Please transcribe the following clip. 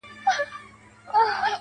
زه د رنگونو د خوبونو و زوال ته گډ يم~